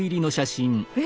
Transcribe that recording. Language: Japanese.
え！